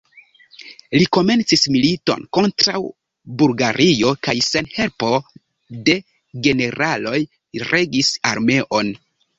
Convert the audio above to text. Li komencis militon kontraŭ Bulgario kaj sen helpo de generaloj regis armeon.